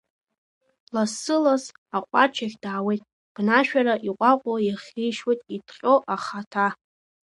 Лассы-ласс аҟәарчахь даауеит бнашәара, иҟәаҟәа иахишьуеит иҭҟьо ахаҭа…